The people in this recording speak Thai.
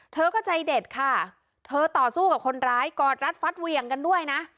เธอก็ใจเด็ดค่ะเธอต่อสู้กับคนร้ายกอดรัดฟัดเหวี่ยงกันด้วยนะ